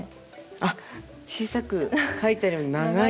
あっ小さく書いてある「長い」。